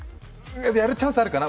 やるチャンスあるかな？